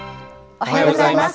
おはようございます。